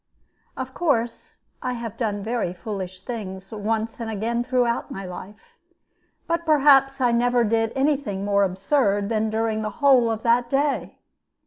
Of course I have done very foolish things once and again throughout my life, but perhaps I never did any thing more absurd than during the whole of that day.